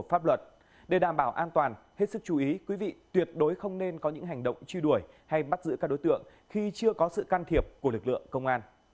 hết sức chú ý quý vị tuyệt đối không nên có những hành động chi đuổi hay bắt giữ các đối tượng khi chưa có sự can thiệp của lực lượng công an